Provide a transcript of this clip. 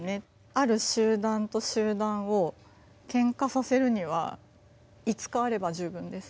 ある集団と集団をケンカさせるには５日あれば十分です。